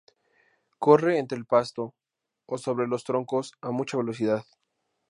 Corre entre el pasto o sobre los troncos a mucha velocidad.